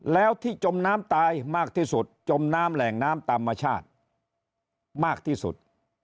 แล้วที่จมน้ำตายมากที่สุดจมน้ำแหล่งน้ำตามชาติมากที่สุด